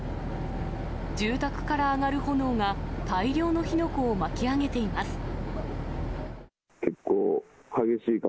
住宅から上がる炎が大量の火の粉を巻き上げています。